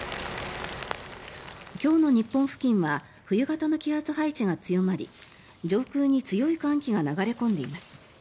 今日の日本付近は冬型の気圧配置が強まり上空に強い寒気が流れ込んでいます。